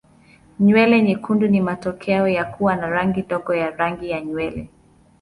Nywele nyekundu ni matokeo ya kuwa na rangi ndogo ya rangi ya nywele.